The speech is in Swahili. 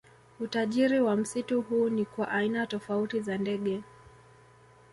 Utajiri wa msitu huu ni kwa aina tofauti za ndege